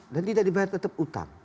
dan tidak dibayar tetap utang